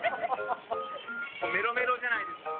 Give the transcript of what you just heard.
メロメロじゃないですか。